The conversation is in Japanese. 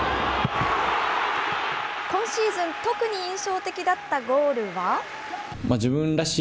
今シーズン、特に印象的だったゴールは。